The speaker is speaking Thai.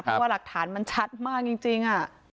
เพราะว่าหลักฐานมันชัดมากจริง